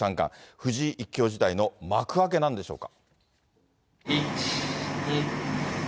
藤井一強時代の幕開けなんでしょうか。